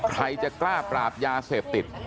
ใครจะกล้าปราบยาเสพติด